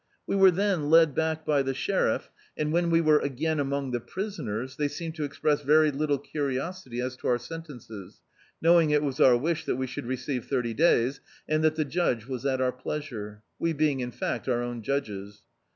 We were then led back by the sheriff, and when we were again among the prisoners, they seemed to express very little curiosity as to our sentences, knowing it was our wish that we should receive thirty days, and that the judge was at our pleasure — we being In fact our own judges.